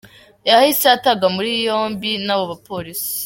Yahise atabwa muri yombi n’abo bapolisi.